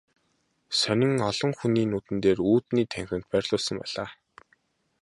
Сонин олон хүний нүдэн дээр үүдний танхимд байрлуулсан байна.